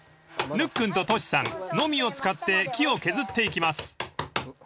［ぬっくんとトシさんのみを使って木を削っていきます］